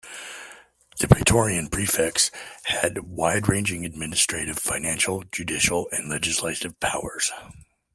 The Praetorian Prefects had wide ranging administrative, financial, judicial and legislative powers.